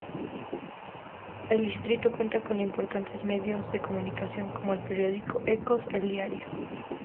El distrito cuenta con importantes medios de comunicación como el periódico Ecos, El Diario.